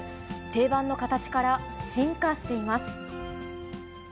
定番の形から進化しています。